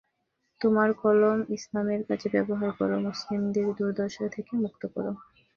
তোমার কলম ইসলামের কাজে ব্যবহার কর, মুসলিমদের দুর্দশা থেকে মুক্ত কর।